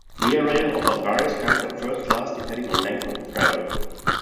Via Rail offers various kinds of first class depending on length of travel.